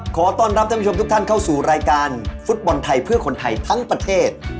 ขอต้อนรับท่านผู้ชมทุกท่านเข้าสู่รายการฟุตบอลไทยเพื่อคนไทยทั้งประเทศ